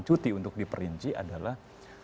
cuti untuk diperinci adalah